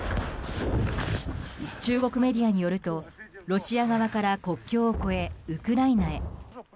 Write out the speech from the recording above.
中国メディアによるとロシア側から国境を越えウクライナへ。